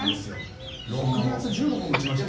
６月１５本打ちましたから。